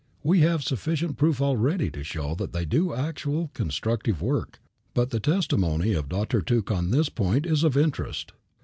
We have sufficient proof already to show that they do actual constructive work, but the testimony of Dr. Tuke on this point is of interest.